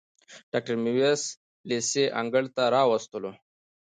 ډاکټر میرویس لېسې انګړ ته وروستلو.